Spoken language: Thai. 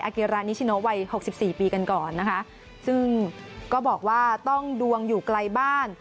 เกรานิชิโนวัยหกสิบสี่ปีกันก่อนนะคะซึ่งก็บอกว่าต้องดวงอยู่ไกลบ้าน